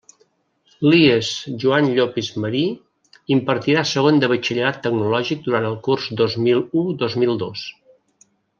L'IES Joan Llopis Marí impartirà segon de Batxillerat Tecnològic durant el curs dos mil u dos mil dos.